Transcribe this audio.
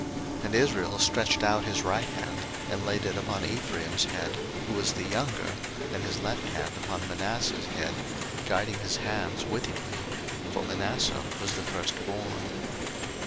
01:048:014 And Israel stretched out his right hand, and laid it upon Ephraim's head, who was the younger, and his left hand upon Manasseh's head, guiding his hands wittingly; for Manasseh was the firstborn.